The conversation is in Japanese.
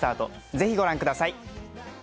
ぜひご覧ください